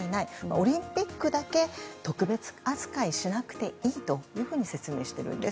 オリンピックだけ特別扱いしなくていいというふうに説明しているんです。